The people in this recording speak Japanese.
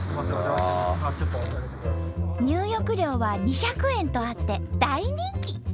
入浴料は２００円とあって大人気！